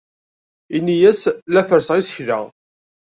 Ini-as la ferrseɣ isekla.